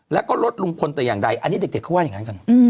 แล้วก็ลดลุงพลแต่อย่างใดอันนี้เด็กเขาว่าอย่างนั้นกัน